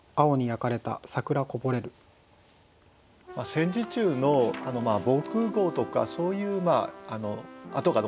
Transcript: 戦時中の防空ごうとかそういう痕が残ってるんですよね。